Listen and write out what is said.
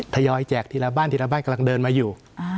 ยอยแจกทีละบ้านทีละบ้านกำลังเดินมาอยู่